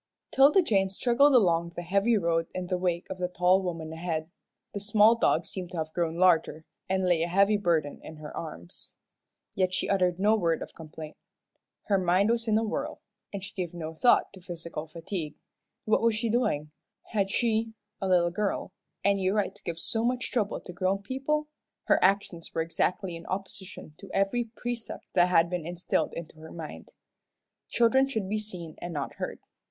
'Tilda Jane struggled along the heavy road in the wake of the tall woman ahead. The small dog seemed to have grown larger, and lay a heavy burden in her arms. Yet she uttered no word of complaint. Her mind was in a whirl, and she gave no thought to physical fatigue. What was she doing? Had she a little girl any right to give so much trouble to grown people? Her actions were exactly in opposition to every precept that had been instilled into her mind. Children should be seen and not heard.